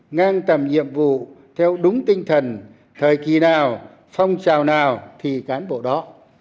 ngang tầm nhiệm vụ theo đúng tinh thần thời kỳ nào phong trào nào thì cán bộ đó